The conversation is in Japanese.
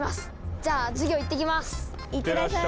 じゃあ授業いってきます！